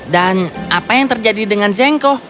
dan apa yang terjadi dengan zengko